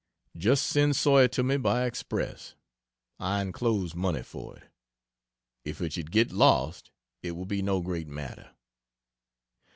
Just send Sawyer to me by express I enclose money for it. If it should get lost it will be no great matter.